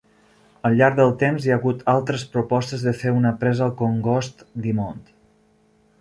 Al llarg del temps hi ha hagut altres propostes de fer una presa al congost Dimond.